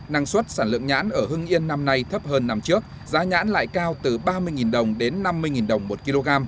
năng suất sản lượng nhãn ở hưng yên năm nay thấp hơn năm trước giá nhãn lại cao từ ba mươi đồng đến năm mươi đồng một kg